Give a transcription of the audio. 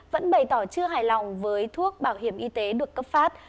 vẫn bày tỏ chưa hài lòng với thuốc bảo hiểm y tế được cấp phát